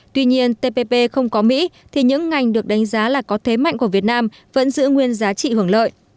tuy nhiên tpp không có mỹ thì những ngành được đánh giá là có thế mạnh của việt nam vẫn giữ nguyên giá trị hưởng lợi